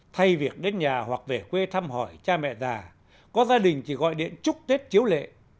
thay việc đến nhà hoặc về quê thăm hỏi cha mẹ già có gia đình chỉ gọi điện chúc tết chiếu lệ